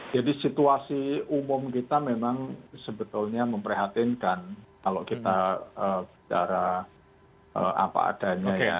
jadi situasi umum kita memang sebetulnya memprihatinkan kalau kita bicara apa adanya ya